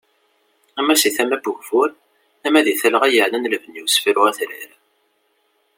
Ama seg tama n ugbur, ama deg talɣa yaɛnan lebni usefru atrar.